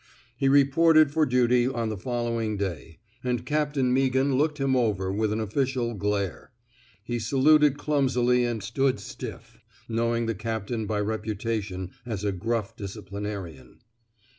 He reported for duty on the following day, and Captain Meaghan looked him over with an official glare. He saluted clumsily and stood stiff, knowing the captain by reputation as a gruff disciplinarian.